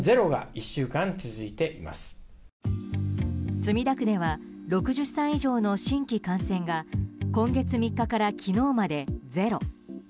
墨田区では６０歳以上の新規感染が今月３日から昨日までゼロ。